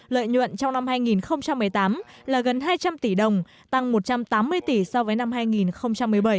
lợi nhuận trong năm hai nghìn một mươi tám là gần hai trăm linh tỷ đồng tăng một trăm tám mươi tỷ so với năm hai nghìn một mươi bảy